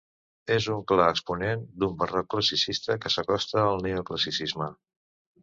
És un clar exponent d'un barroc classicista que s'acosta al neoclassicisme.